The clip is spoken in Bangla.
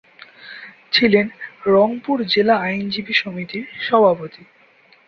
ছিলেন রংপুর জেলা আইনজীবী সমিতির সভাপতি।